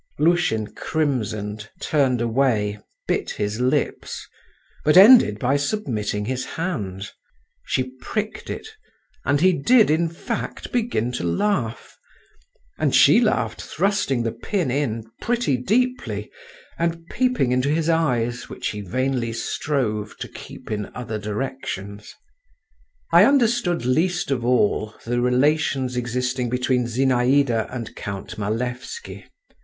Lushin crimsoned, turned away, bit his lips, but ended by submitting his hand. She pricked it, and he did in fact begin to laugh,… and she laughed, thrusting the pin in pretty deeply, and peeping into his eyes, which he vainly strove to keep in other directions…. I understood least of all the relations existing between Zinaïda and Count Malevsky.